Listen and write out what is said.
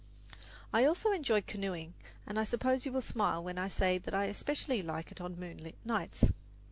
I also enjoy canoeing, and I suppose you will smile when I say that I especially like it on moonlight nights.